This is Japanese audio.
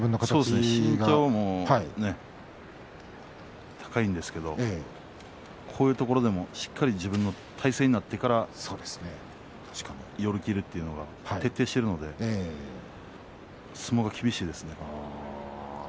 身長も高いんですけれどこういうところでもしっかり自分の体勢になってから寄り切るというのが徹底しているので相撲が厳しいですね。